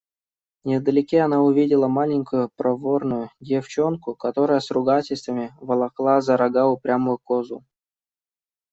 Невдалеке она увидела маленькую проворную девчонку, которая с ругательствами волокла за рога упрямую козу.